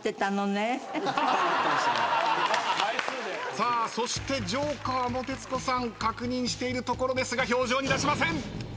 さあそしてジョーカーも徹子さん確認しているところですが表情に出しません。